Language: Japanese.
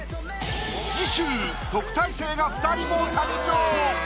次週特待生が２人も誕生！